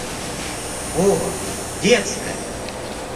О, детская!